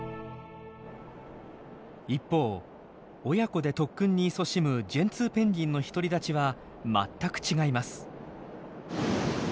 一方親子で特訓にいそしむジェンツーペンギンの独り立ちは全く違います。